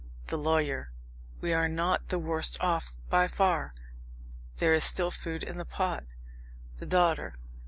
THE LAWYER. We are not the worst off by far. There is still food in the pot. THE DAUGHTER.